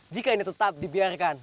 jika ini tetap dibiarkan